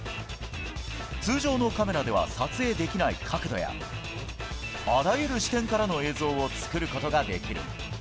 通常のカメラでは撮影できない角度や、あらゆる視点からの映像を作ることができる。